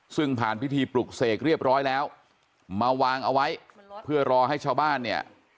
ซึ่งผ่านพิธีปลุกเสกเรียบร้อยแล้วมาวางเอาไว้เพื่อรอให้ชาวบ้านเนี่ย